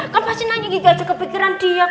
kan pasti nanya kiki gak ada kepikiran dia